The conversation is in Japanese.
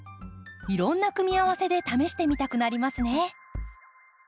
いろんな組み合わせで試してみたくなりますね。